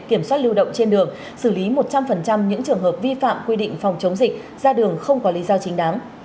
kiểm soát lưu động trên đường xử lý một trăm linh những trường hợp vi phạm quy định phòng chống dịch ra đường không có lý do chính đáng